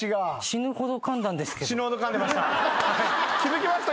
死ぬほどかんでました。